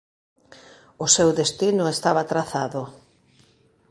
O seu destino estaba trazado.